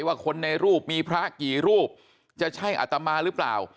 ว่าคนในรูปมีพระกี่รูปจะใช่อัตมาหรือเปล่า